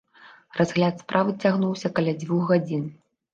Разгляд справы цягнуўся каля дзвюх гадзін.